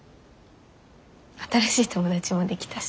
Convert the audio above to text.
新しい友達もできたし。